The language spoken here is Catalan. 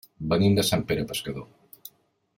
Venim de Sant Pere Pescador.